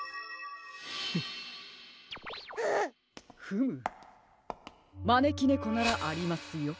フムまねきねこならありますよ。